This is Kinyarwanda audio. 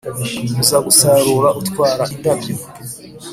uza gusarura utwara indabyo.